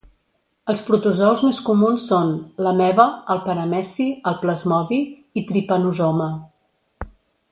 Els protozous més comuns són: l'ameba, el parameci, el plasmodi i tripanosoma.